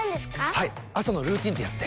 はい朝のルーティンってやつで。